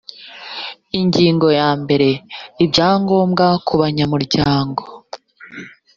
ingingo ya mbere ibyangombwa kubanyamuryango